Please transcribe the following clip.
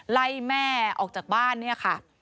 ไล่แม่ออกจากบ้านเนี่ยค่ะ